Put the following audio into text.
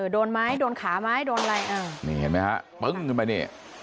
โดนได้ไหมเอ้ยโดนไหมเดรี่ยนไฟ